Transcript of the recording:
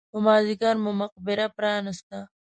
په مازیګر مو مقبره پرانېسته.